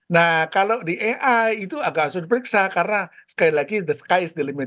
nah kalau di ai itu agak susah diperiksa karena sekali lagi the sky ise delimite